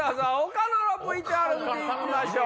岡野のＶＴＲ見てみましょう。